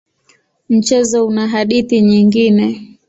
Mchezo una hadithi nyingine.